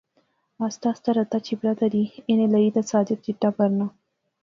آہستہ آہستہ رتا چھپرا تہری اینے لاغی تہ ساجد چٹا پرنا